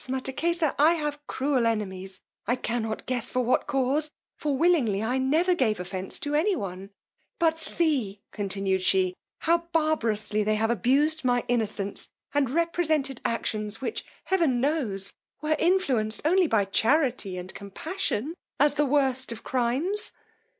Mattakesa, I have cruel enemies; I cannot guess for what cause, for willingly I never gave offence to any one; but see, continued she, how barbarously they have abused my innocence, and represented actions which, heaven knows, were influenced only by charity and compassion as the worst of crimes!